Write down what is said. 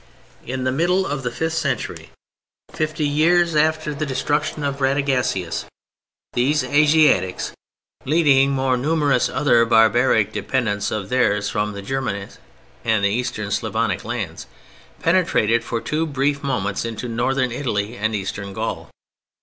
In the middle of the fifth century, fifty years after the destruction of Radagasius, these Asiatics, leading more numerous other barbaric dependents of theirs from the Germanies and the eastern Slavonic lands, penetrated for two brief moments into Northern Italy and Eastern Gaul.